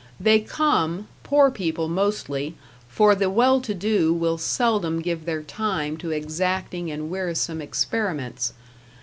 They come, poor people mostly for the well to do will seldom give their time to exacting and wearisome experiments.